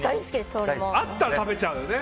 あったら食べちゃうよね。